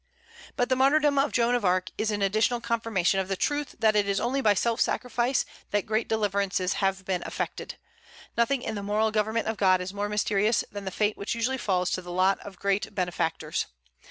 But the martyrdom of Joan of Arc is an additional confirmation of the truth that it is only by self sacrifice that great deliverances have been effected. Nothing in the moral government of God is more mysterious than the fate which usually falls to the lot of great benefactors.